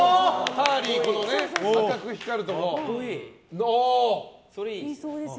タリーの赤く光るところ。